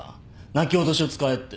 泣き落としを使えって？